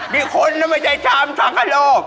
มีคนแล้วไม่ได้ช้องจังการโลก